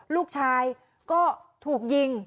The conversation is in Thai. ลูกชายก็ถูกยิง